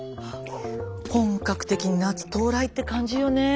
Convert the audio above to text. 本格的に夏到来って感じよね。